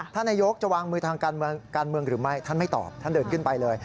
ท่านนายกจะวางมือทางการเมืองหรือไม่ท่านไม่ตอบท่านเดินขึ้นไปเลย